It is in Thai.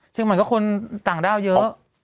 เชียงใหม่ก็คนต่างด้าวเยอะ